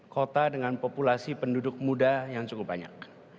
kota dengan populasi penduduk muda yang cukup banyak